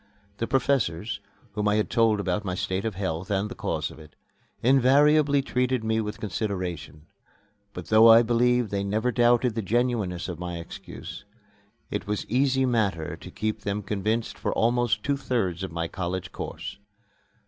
The professors, whom I had told about my state of health and the cause of it, invariably treated me with consideration; but, though I believe they never doubted the genuineness of my excuse, it was easy matter to keep them convinced for almost two thirds of my college course.